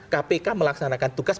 kpk melaksanakan tugas